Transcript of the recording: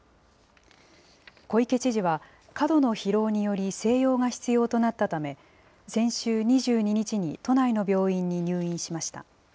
小池知事は、過度の疲労により、静養が必要となったため、先週２２日に都内の病院に入院しました。